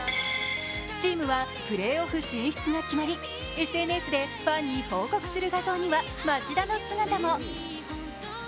チームはプレーオフ進出が決まりＳＮＳでファンに報告する画像には町田の姿も。